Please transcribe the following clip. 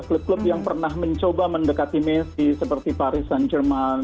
klub klub yang pernah mencoba mendekati messi seperti paris dan jerman